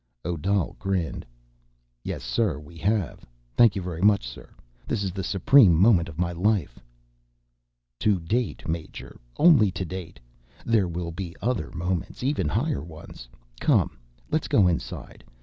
Odal grinned. "Yes, sir, we have. Thank you very much sir. This is the supreme moment of my life." "To date, major. Only to date. There will be other moments, even higher ones. Come, let's go inside.